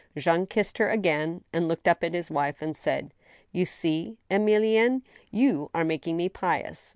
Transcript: Jean kissed her again, and, looking up at his wife, said :" You see, Emilienne, you are making me pious.